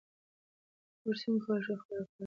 موږ څنګه کولای شو خپل رفتار کنټرول کړو؟